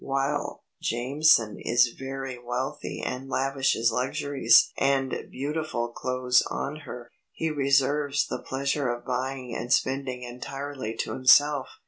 While Jameson is very wealthy and lavishes luxuries and beautiful clothes on her, he reserves the pleasure of buying and spending entirely to himself.